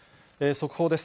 速報です。